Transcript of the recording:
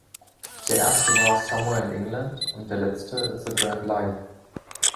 Der Erste war Somewhere in England und der Letzte It's a Grand Life.